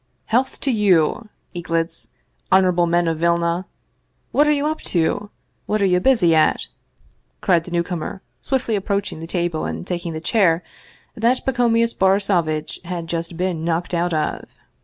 " Health to you, eaglets ! honorable men of Vilna ! What are you up to? What are you busy at? " cried the newcomer, swiftly approaching the table and taking the chair that Pacomius Borisovitch had just been knocked out of.